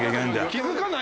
気付かない？